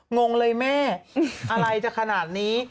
งงเลยแม่อะไรจะขนาดนี้